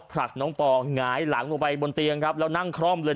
ผลักน้องปอหงายหลังลงไปบนเตียงครับแล้วนั่งคล่อมเลย